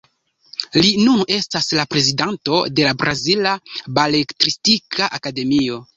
Li nun estas la prezidanto de la Brazila Beletristika Akademio.